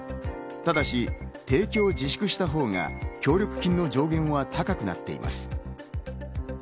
ただし提供を自粛したほうが協力金の上限は高くなっています。